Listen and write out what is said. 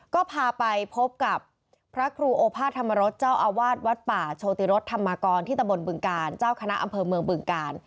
ก็พาไปพบกับพระครูโอภาธรรมรสเจ้าอาวาสวัดป่าโชติรสธรรมกรที่ตะบนบึงกาลเจ้าคณะอำเภอเมืองบึงกาล